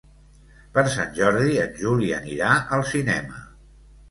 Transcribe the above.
Per Sant Jordi en Juli anirà al cinema.